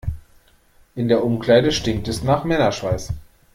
In der Umkleide stinkt es nach Männerschweiß.